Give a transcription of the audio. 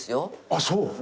あっそう？